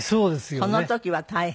その時は大変。